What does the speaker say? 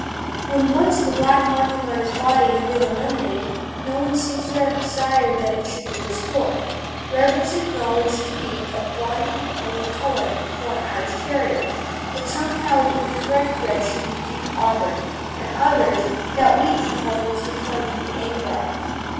When once the black marking on his body had been eliminated no one seems to have desired that it should be restored. Red was acknowledged to be the one and only colour for an Irish Terrier. But some held that the correct red should be deep auburn, and others that wheaten colour was the tone to be aimed at.